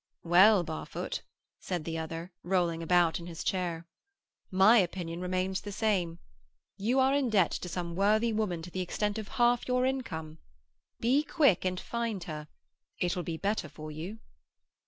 "Well, Barfoot," said the other, rolling about in his chair, "my opinion remains the same. You are in debt to some worthy woman to the extent of half your income. Be quick and find her. It will be better for you."